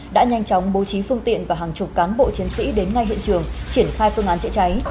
đã nhanh chóng bố trí phương tiện và hàng chục cán bộ chiến sĩ đến ngay hiện trường triển khai phương án chữa cháy